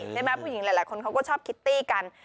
ผู้หญิงหลายคนเขาก็ชอบคิตตี้กัน